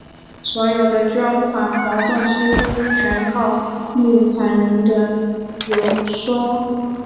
所有的筹款活动几乎全靠募款人的游说。